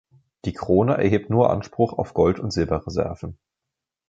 Die Krone erhebt nur Anspruch auf Gold- und Silberreserven.